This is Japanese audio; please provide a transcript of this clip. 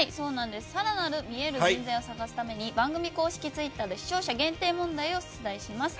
更なるみえる人材を探すために番組公式ツイッターで視聴者限定問題を出題します。